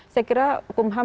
saya kira kumham harus